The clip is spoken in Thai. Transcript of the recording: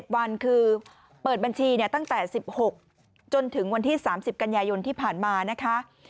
วันคือเปิดบัญชีตั้งแต่๑๖จนถึงวันที่๓๐กันยายนที่ผ่านมานะคะ